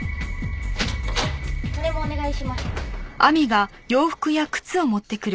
これもお願いします。